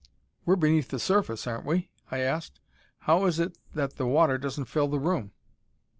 "We're beneath the surface, aren't we?" I asked. "How is it that the water doesn't fill the room?"